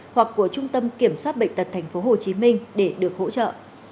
hoặc của trung tâm kiểm soát bệnh tật tp hcm để được hỗ trợ